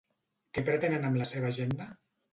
Què pretenen amb la seva agenda?